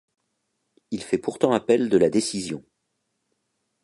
Il fait pourtant appel de la décision.